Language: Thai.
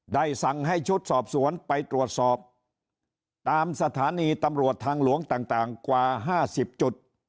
สั่งให้ชุดสอบสวนไปตรวจสอบตามสถานีตำรวจทางหลวงต่างกว่า๕๐จุด